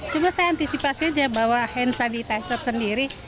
cuma saya antisipasi aja bawa hand sanitizer sendiri